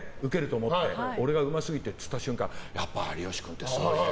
俺がうますぎてって言った瞬間やっぱ有吉君ってすごいね。